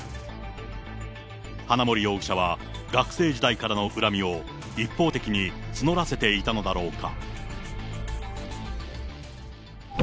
花森容疑者は、学生時代からの恨みを、一方的に募らせていたのだろうか。